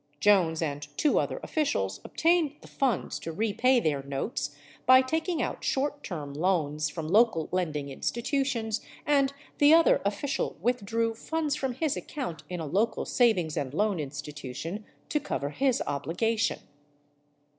Jones and two other officials obtained the funds to repay their notes by taking out short term loans from local lending institutions, and the other official with drew funds from his account in a local savings and loan institution to cover his obligation.